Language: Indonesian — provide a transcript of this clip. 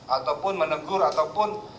ataupun menegur ataupun